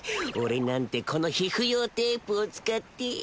俺なんてこの皮膚用テープを使って。